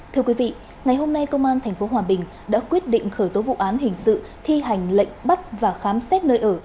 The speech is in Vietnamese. thưa quý vị ngày hôm nay công an tp hòa bình đã quyết định khởi tố vụ án hình sự thi hành lệnh bắt và khám xét nơi ở